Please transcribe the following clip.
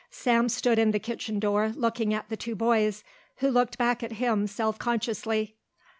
Sam stood in the kitchen door looking at the two boys, who looked back at him self consciously.